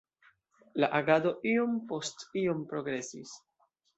La agado iom post iom progresis.